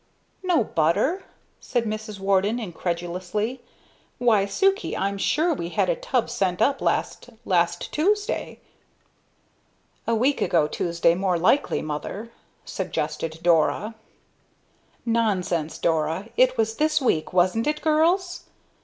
"No butter?" said Mrs. Warden, incredulously. "Why, Sukey, I'm sure we had a tub sent up last last Tuesday!" "A week ago Tuesday, more likely, mother," suggested Dora. "Nonsense, Dora! It was this week, wasn't it, girls?"